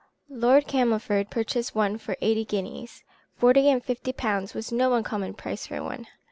Lord Camelford purchased one for eighty guineas; forty and fifty pounds was no uncommon price for one.